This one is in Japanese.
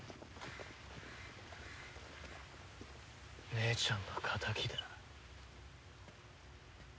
姉ちゃんの仇だ。